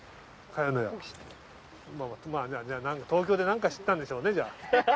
「茅乃舎」あまあじゃあ東京でなんか知ったんでしょうねじゃあ。